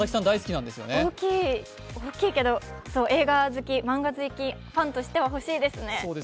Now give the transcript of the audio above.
大きいけど、漫画好き、ファンとしては欲しいですね。